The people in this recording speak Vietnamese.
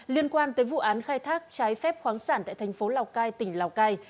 liên quan tới vụ án khai thác trái phép khoáng sản tại thành phố lào cai tỉnh lào cai